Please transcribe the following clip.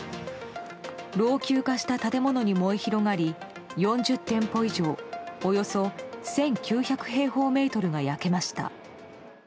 老朽化した建物に燃え広がり４０店舗以上およそ１９００平方メートルが焼けました。